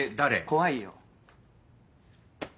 怖いよ。